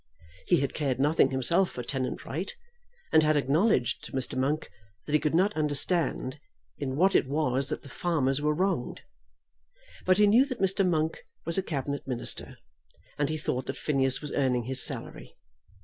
He had cared nothing himself for tenant right, and had acknowledged to Mr. Monk that he could not understand in what it was that the farmers were wronged. But he knew that Mr. Monk was a Cabinet Minister, and he thought that Phineas was earning his salary.